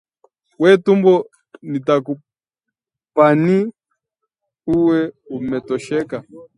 We tumbo nitakupani, uwe umetosheka?